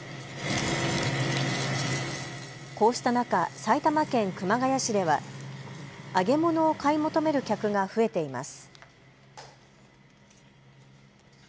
こうした中、埼玉県熊谷市では揚げ物を買い求める客が増えています。